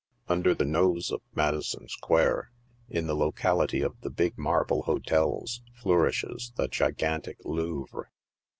Under the nose of Madison Square, in the locality of the big marble hotels, flourishes the gigantic " Louvre."